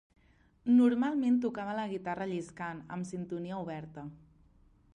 Normalment tocava la guitarra lliscant, amb sintonia oberta.